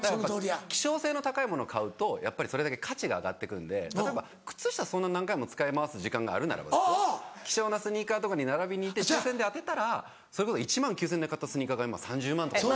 希少性の高いもの買うとそれだけ価値が上がってくるんで例えば靴下そんな何回も使い回す時間があるならば希少なスニーカーとかに並びに行って抽選で当てたらそれこそ１万９０００円で買ったスニーカーが今３０万とかに。